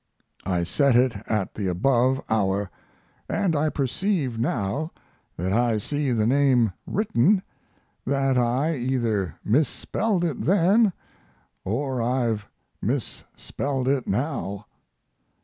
I set it at the above hour; & I perceive, now that I see the name written, that I either misspelled it then or I've misspelled it now.